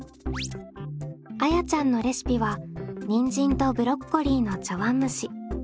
あやちゃんのレシピはにんじんとブロッコリーの茶碗蒸し。